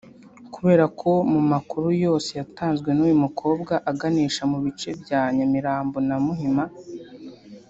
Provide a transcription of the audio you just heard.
Kubera ko mu makuru yose yatanzwe n’uyu mukobwa aganisha mu bice bya Nyamirambo na Muhima